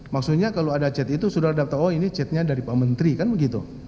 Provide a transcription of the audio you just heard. maksudnya kalau ada chat itu saudara daftar oh ini chatnya dari pak menteri kan begitu